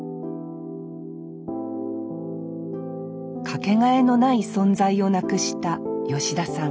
掛けがえのない存在をなくした吉田さん。